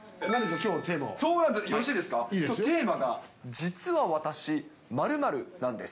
きょうのテーマが、実は私○○なんです。